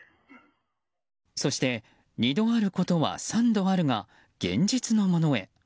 そして２度あることが３度あるが現実のものへ。